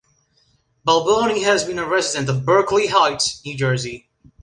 Balboni has been a resident of Berkeley Heights, New Jersey.